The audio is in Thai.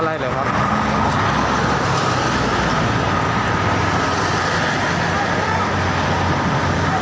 อะไรเหรอครับ